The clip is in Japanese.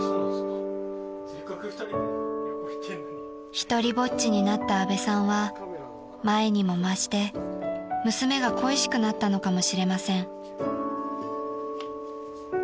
［独りぼっちになった阿部さんは前にも増して娘が恋しくなったのかもしれません］